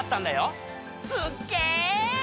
すっげぇ！